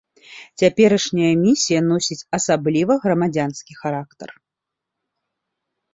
Цяперашняя місія носіць асабліва грамадзянскі характар.